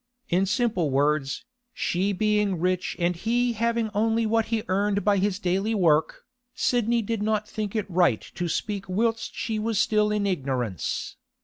In simple words, she being rich and he having only what he earned by his daily work, Sidney did not think it right to speak whilst she was still in ignorance.